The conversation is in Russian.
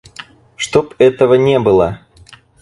Чтоб этого не было.